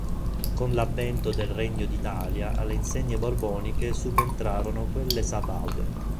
Con l'avvento del Regno d'Italia alle insegne borboniche subentrarono quelle sabaude.